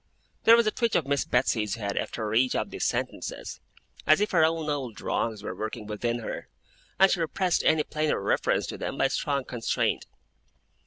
There was a twitch of Miss Betsey's head, after each of these sentences, as if her own old wrongs were working within her, and she repressed any plainer reference to them by strong constraint.